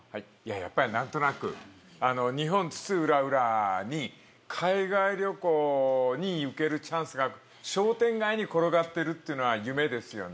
やっぱり日本津々浦々に海外旅行に行けるチャンスが商店街に転がってるっていうのは夢ですよね。